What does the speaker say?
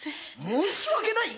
申し訳ない！？